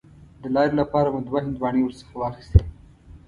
د لارې لپاره مو دوه هندواڼې ورڅخه واخیستې.